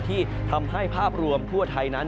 ที่ทำให้ภาพรวมทั่วไทยนั้น